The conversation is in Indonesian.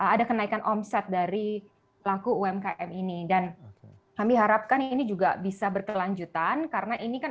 ada kenaikan omset dari pelaku umkm ini dan kami harapkan ini juga bisa berkelanjutan karena ini kan